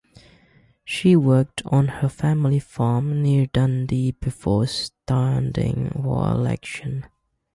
She worked on her family farm near Dundee before standing for election.